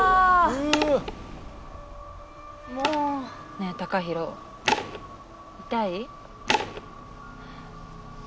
ねえ貴裕痛い？